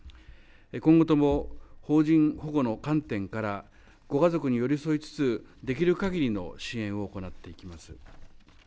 今後とも邦人保護の観点から、ご家族に寄り添いつつ、できるかぎりの支援を行っていきます。